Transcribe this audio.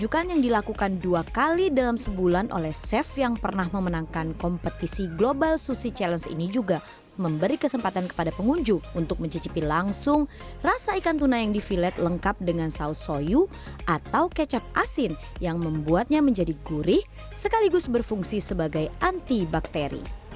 kali dalam sebulan oleh chef yang pernah memenangkan kompetisi global sushi challenge ini juga memberi kesempatan kepada pengunjung untuk mencicipi langsung rasa ikan tuna yang di filet lengkap dengan saus soyu atau kecap asin yang membuatnya menjadi gurih sekaligus berfungsi sebagai antibakteri